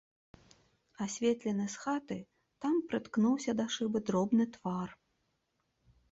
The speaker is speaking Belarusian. Асветлены з хаты, там прыткнуўся да шыбы дробны твар.